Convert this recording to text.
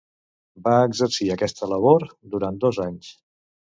Va exercir aquesta labor durant dos anys.